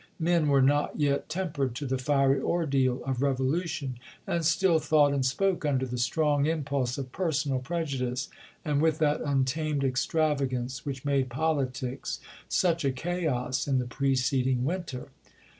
Men were not yet tempered to the fiery ordeal of revolution, and still thought and spoke under the strong im pulse of personal prejudice, and with that untamed extravagance which made politics such a chaos in the preceding winter.